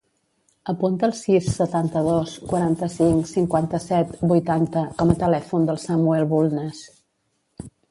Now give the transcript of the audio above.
Apunta el sis, setanta-dos, quaranta-cinc, cinquanta-set, vuitanta com a telèfon del Samuel Bulnes.